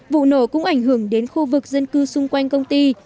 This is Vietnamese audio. vụ nổ cũng ảnh hưởng đến khu vực dân cư xung quanh công ty